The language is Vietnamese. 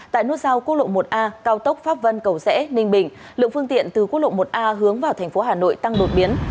tại nút giao quốc lộ một a cao tốc pháp vân cầu rẽ ninh bình lượng phương tiện từ quốc lộ một a hướng vào thành phố hà nội tăng đột biến